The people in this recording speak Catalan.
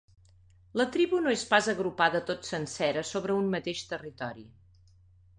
La tribu no és pas agrupada tot sencera sobre un mateix territori.